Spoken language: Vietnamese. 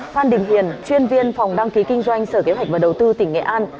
phan đình hiền chuyên viên phòng đăng ký kinh doanh sở kế hoạch và đầu tư tỉnh nghệ an